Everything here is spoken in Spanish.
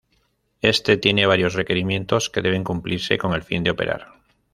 Éste tiene varios requerimientos que deben cumplirse con el fin de operar.